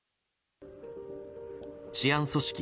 治安組織